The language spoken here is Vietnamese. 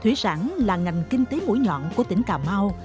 thủy sản là ngành kinh tế mũi nhọn của tỉnh cà mau